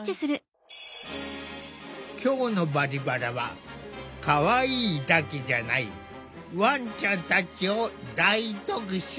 今日の「バリバラ」はかわいいだけじゃないワンちゃんたちを大特集！